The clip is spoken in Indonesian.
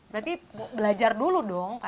berarti belajar dulu dong